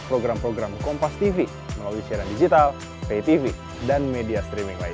program program kompastv melalui siaran digital paytv dan media streaming lain